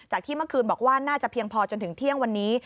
ที่เมื่อคืนบอกว่าน่าจะเพียงพอจนถึงเที่ยงวันนี้